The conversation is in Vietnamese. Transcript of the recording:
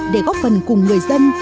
để góp phần cùng người dân